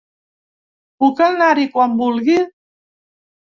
Puc anar-hi quan vulgui?